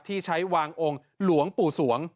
ที่ใช้วางองค์หลวงปู่สวง